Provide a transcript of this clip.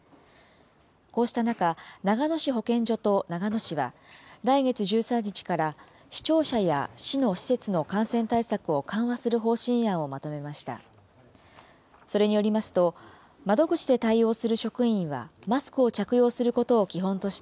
こうした中、長野市保健所と長野市は、来月１３日から、市庁舎や市の施設の感染対策を緩和する方針案をまとめました。